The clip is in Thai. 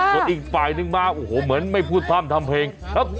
คืออีกฝ่ายนึงมาเหมือนไม่พูดผ้ามทำเพลง